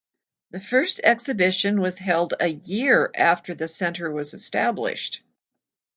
The first exhibition was held a year after the Centre was established.